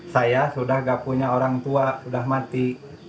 saya sudah gak punya orang tua sudah mati